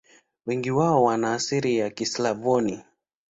Wengi wao wana asili ya Kislavoni.